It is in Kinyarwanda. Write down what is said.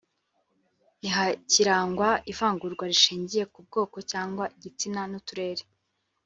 ntihakirangwa ivangura rishingiye ku bwoko cyangwa igitsina n’uturerere